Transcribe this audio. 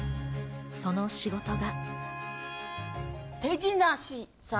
その仕事が。